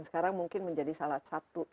sekarang mungkin menjadi salah satu